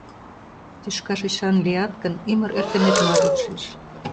Тӱшка шочшан лият гын, ӱмыр эртыметымат от шиж.